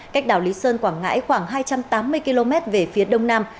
cách đảo lý sơn quảng ngãi khoảng hai trăm tám mươi km về phía đông nam